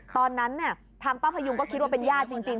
ตอนนั้นทางป้าพยุงก็คิดว่าเป็นญาติจริง